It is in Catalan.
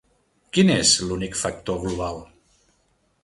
Quin és l'únic factor global?